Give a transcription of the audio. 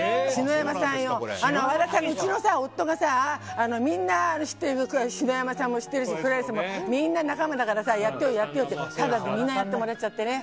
和田さん、うちの夫がみんな知ってる篠山さんも黒柳さんもみんな仲間だからやってよやってよって言ってみんなやってもらっちゃってね。